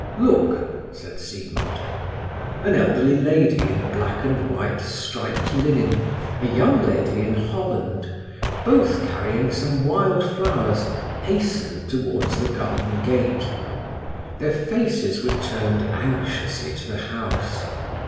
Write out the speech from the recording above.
"Look!" said Siegmund. An elderly lady in black and white striped linen, a young lady in holland, both carrying some wild flowers, hastened towards the garden gate. Their faces were turned anxiously to the house.